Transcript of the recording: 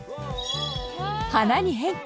花に変化！